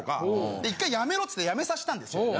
で１回やめろっつってやめさせたんですよ。